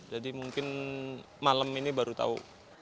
jadi mungkin malam ini baru tahu